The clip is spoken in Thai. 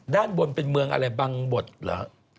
ด้านบนเป็นเมืองอะไรบังบดเหรอ